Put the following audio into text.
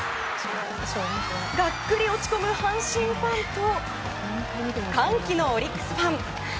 がっくり落ち込む阪神ファンと歓喜のオリックスファン。